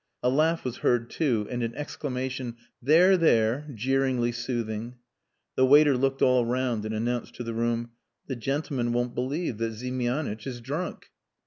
A laugh was heard too, and an exclamation, "There! there!" jeeringly soothing. The waiter looked all round and announced to the room "The gentleman won't believe that Ziemianitch is drunk."